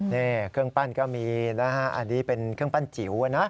นี่เครื่องปั้นก็มีนะฮะอันนี้เป็นเครื่องปั้นจิ๋วนะ